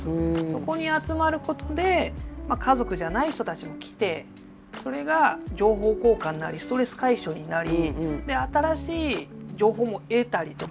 そこに集まることで家族じゃない人たちも来てそれが情報交換なりストレス解消になり新しい情報も得たりとかで。